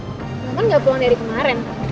roman gak pulang dari kemaren